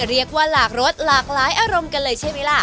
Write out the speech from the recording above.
เรียกว่าหลากรสหลากหลายอารมณ์กันเลยใช่ไหมล่ะ